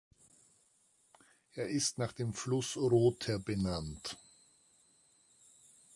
Er ist nach dem Fluss Rother benannt.